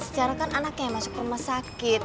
secara kan anaknya masuk rumah sakit